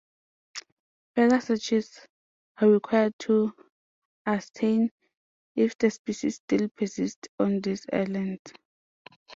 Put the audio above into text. Further searches are required to ascertain if the species still persists on these islands.